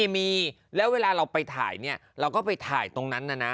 มีแล้วเวลาเราไปถ่ายเนี่ยเราก็ไปถ่ายตรงนั้นนะนะ